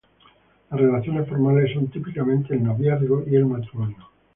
Las relaciones formales son típicamente el noviazgo y el matrimonio.